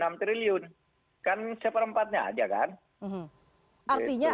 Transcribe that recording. kan seperempatnya aja kan